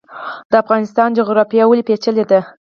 د افغانستان جغرافیا ولې پیچلې ده؟